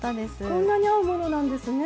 こんなに合うものなんですね。